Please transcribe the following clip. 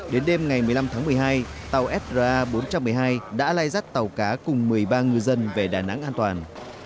đến đêm ngày một mươi năm tháng một mươi hai tàu sar bốn trăm một mươi hai đã lai rắt tàu cá cùng một mươi ba ngư dân về đà nẵng an toàn